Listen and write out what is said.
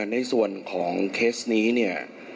ในส่วนของเคสนี้เนี่ย